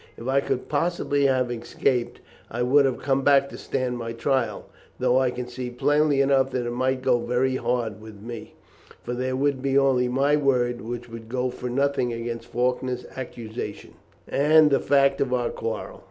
If I could possibly have escaped I would have come back to stand my trial, though I can see plainly enough that it might go very hard with me, for there would be only my word, which would go for nothing against Faulkner's accusation, and the fact of our quarrel.